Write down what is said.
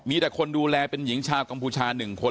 มีแต่คนดูแลเป็นหญิงชาวกัมพูชา๑คน